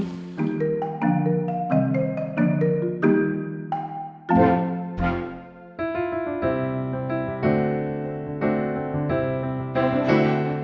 pilih yang ini